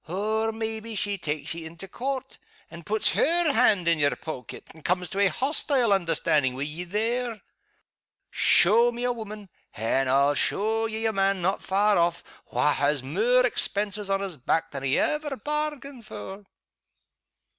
Or, maybe she takes ye into Court, and pets her hand in your poaket, and comes to a hoastile understandin' wi' ye there. Show me a woman and I'll show ye a man not far off wha' has mair expenses on his back than he ever bairgained for."